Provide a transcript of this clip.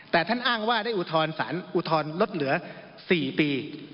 แต่ท่านอ้างว่าได้อุทธรณ์สารอุทธรณ์ลดเหลือ๔ปี